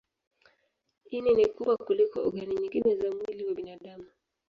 Ini ni kubwa kuliko ogani nyingine za mwili wa binadamu.